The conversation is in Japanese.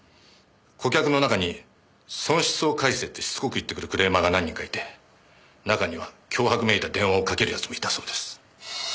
顧客の中に損失を返せってしつこく言ってくるクレーマーが何人かいて中には脅迫めいた電話をかける奴もいたそうです。